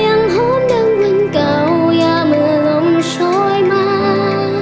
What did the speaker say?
ยังห้มดังวันเก่ายามว่าลมช้อยมา